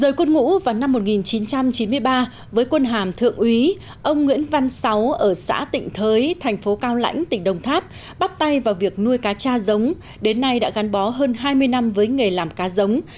với quân ngũ vào năm một nghìn chín trăm chín mươi ba với quân hàm thượng úy ông nguyễn văn sáu ở xã tịnh thới thành phố cao lãnh tỉnh đồng tháp bắt tay vào việc nuôi cá cha giống đến nay đã gắn bó hơn hai mươi năm với nghề làm cá giống